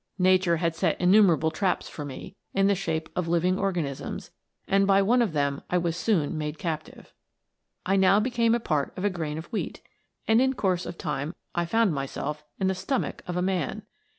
Nature had set innumer able traps for me, in the shape of living organisms, and by one of them I was soon made captive. I now became a part of a grain of wheat, and in course of time I found myself in the stomach of a man.